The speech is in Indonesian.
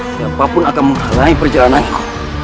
siapa pun yang akan menghalangi perjalananku